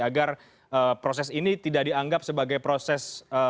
agar proses ini tidak dianggap sebagai proses